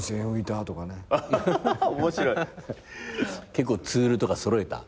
結構ツールとか揃えた？